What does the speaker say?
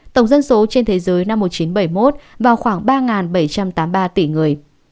tổng dân số trên thế giới năm một nghìn chín trăm bảy mươi một vào khoảng ba bảy trăm tám mươi ba tỷ người